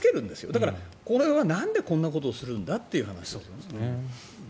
だから、これはなんでこんなことをするんだという話。